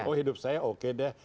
oh hidup saya oke deh